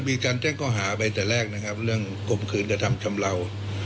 มีการแจ้งเก้าหาไปตอนแรกเรื่องกรมคืนกระทำคำเรา